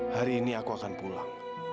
hari ini aku akan pulang